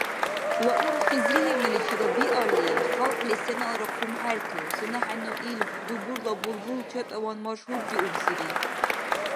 Луара Хизриевначила биалли, халкьли сеналра хъумхӀерту, сенахӀенну ил дубурла булбул чатӀаван машгьурриубсири.